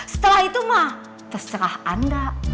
setelah itu mah terserah anda